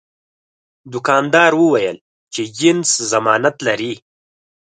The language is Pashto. دوکاندار وویل چې جنس ضمانت لري.